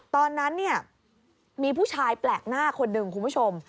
ตอนนั้นเนี่ยมีผู้ชายแปลกหน้าคนหนึ่งคุณผู้ชม